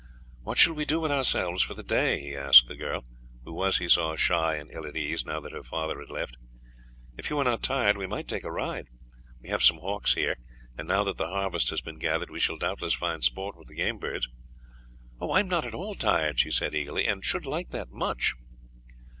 "What shall we do with ourselves for the day?" he asked the girl, who was, he saw, shy and ill at ease, now that her father had left. "If you are not tired we might take a ride. We have some hawks here, and now that the harvest has been gathered we shall doubtless find sport with the game birds." "I am not at all tired," she said eagerly, "and should like it much."